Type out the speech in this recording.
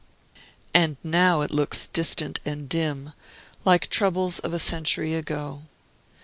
And now it looks distant and dim, like troubles of a century ago.